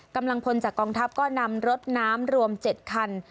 กำลังพลจากกองทัพก็นำรถน้ำรวม๗คัน